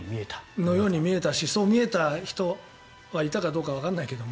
そう見えたしそう見えた人がいたかどうかわからないけど。